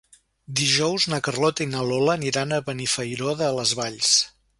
Dijous na Carlota i na Lola aniran a Benifairó de les Valls.